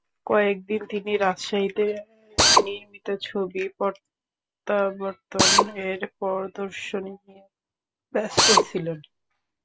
কয়েক দিন তিনি রাজশাহীতে নির্মিত ছবি প্রত্যাবর্তন-এর প্রদর্শনী নিয়ে ব্যস্ত ছিলেন।